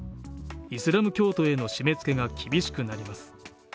イスラム教徒への締めつけが厳しくなります。